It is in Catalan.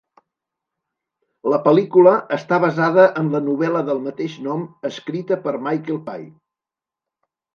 La pel·lícula està basada en la novel·la del mateix nom escrita per Michael Pye.